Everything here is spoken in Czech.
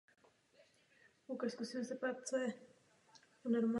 Ani v následujících letech nebyl křesťanský sever v Levantě ušetřen před muslimskými nájezdy.